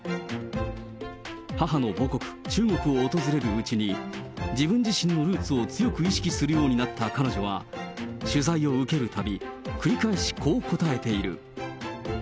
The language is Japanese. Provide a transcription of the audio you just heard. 母の母国、中国を訪れるうちに、自分自身のルーツを強く意識するようになった彼女は、取材を受けるたび、繰り返しこう答えている。